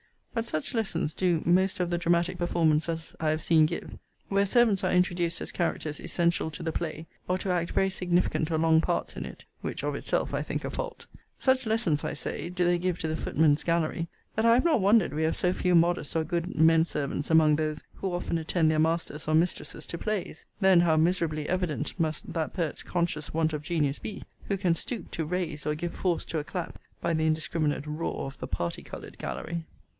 But such lessons do most of the dramatic performances I have seen give, where servants are introduced as characters essential to the play, or to act very significant or long parts in it, (which, of itself, I think a fault;) such lessons, I say, do they give to the footmen's gallery, that I have not wondered we have so few modest or good men servants among those who often attend their masters or mistresses to plays. Then how miserably evident must that poet's conscious want of genius be, who can stoop to raise or give force to a clap by the indiscriminate roar of the party coloured gallery!